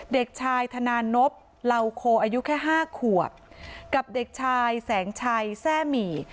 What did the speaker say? เด็กชายธนานพเหลาโคอายุแค่๕ขวบกับเด็กชายแสงชัยแทร่หมี่